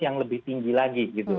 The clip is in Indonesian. yang lebih tinggi lagi gitu